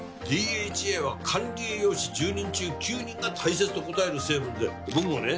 ＤＨＡは管理栄養士１０人中９人が大切と答える成分で僕もね